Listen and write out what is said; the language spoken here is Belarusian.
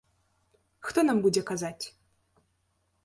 Хто нам будзе казаць?